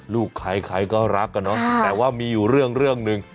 ลูกใครใครก็รักกันเนอะแต่ว่ามีอยู่เรื่องหนึ่ง